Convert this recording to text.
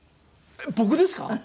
「僕ですか！？」。